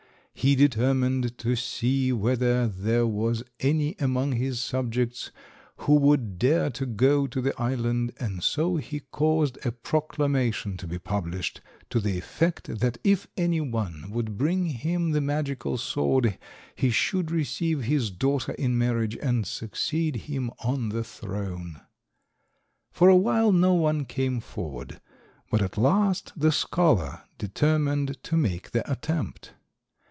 He determined to see whether there was any among his subjects who would dare to go to the island, and so he caused a proclamation to be published to the effect that if any one would bring him the magical sword he should receive his daughter in marriage and succeed him on the throne. For a while no one came forward, but at last the scholar determined to make the attempt.